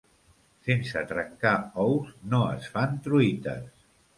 Sense trencar ous no es fan truites.